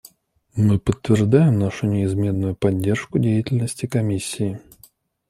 Мы подтверждаем нашу неизменную поддержку деятельности Комиссии.